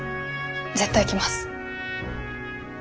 絶対来ます。